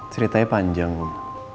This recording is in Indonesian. ceritanya panjang om